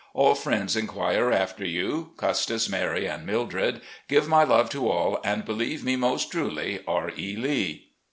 All friends inquire after you, Custis, Mary, and Mildred. Give my love to all, and believe me, "Most tmly, R. E. Lee.